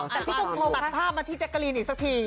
แต่พี่ท่องโทษตัดภาพมาที่แจ็กเกอรีนอีกสักที